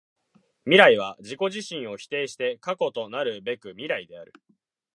未来は自己自身を否定して過去となるべく未来である。